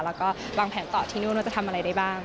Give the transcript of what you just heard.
แล้วก็วางแผนต่อที่นู่นว่าจะทำอะไรได้บ้าง